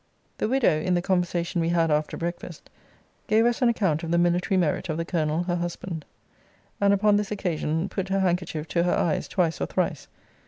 The widow, in the conversation we had after breakfast, gave us an account of the military merit of the Colonel her husband, and, upon this occasion, put her handkerchief to her eyes twice or thrice.